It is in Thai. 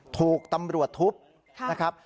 ถูกตำรวจทุบนะครับ